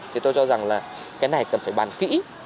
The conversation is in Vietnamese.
thì tôi cho rằng là cái này cần phải bàn kỹ